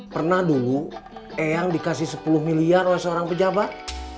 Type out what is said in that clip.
pernah dulu eyang dikasih sepuluh miliar oleh seorang pejabat